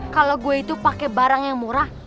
kalo gue itu pake barang yang murah